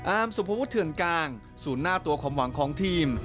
อาร์มสุภพุทธเถือนกลางสูญหน้าตัวความหวังของทีม